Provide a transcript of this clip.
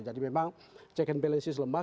jadi memang check and balance lemah